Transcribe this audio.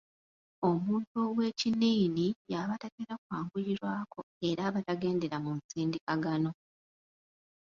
Omuntu ow'ekinnini y'aba tatera kwanguyirwako era aba tagendera mu nsindikagano.